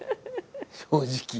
正直。